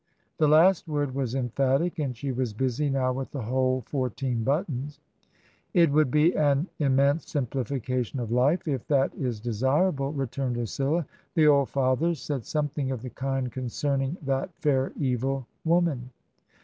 ^' The last word was emphatic, and she was busy now with the whole fourteen buttons. "It would be an immense simplification of life — if that is desirable," returned Lucilla. " The old Fathers said something of the kind conceming that fair evil — woman."